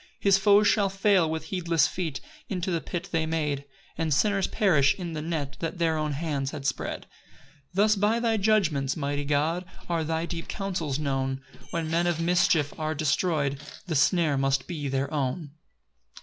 3 His foes shall fail with heedless feet Into the pit they made; And sinners perish in the net That their own hands had spread. 4 Thus by thy judgments, mighty God! Are thy deep counsels known; When men of mischief are destroy'd, The snare must be their own.